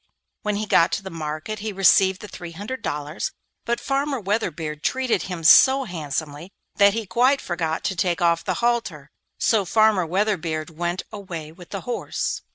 When he got to the market, he received the three hundred dollars, but Farmer Weatherbeard treated him so handsomely that he quite forgot to take off the halter; so Farmer Weatherbeard went away with the horse.